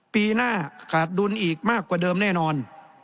ปีหน้าขาดดุลอีกมากกว่าเดิมแน่นอน